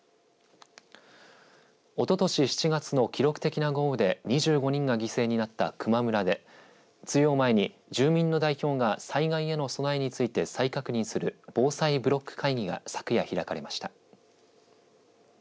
おととし７月の記録的な豪雨で２５人が犠牲になった球磨村で梅雨を前に住民の代表が災害への備えについて再確認する防災ブロック会議が昨夜開かれました。